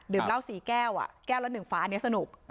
เหล้า๔แก้วแก้วละ๑ฟ้านี้สนุก